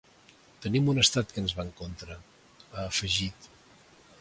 Tenim un estat que ens va en contra, ha afegit.